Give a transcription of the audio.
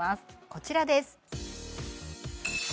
こちらです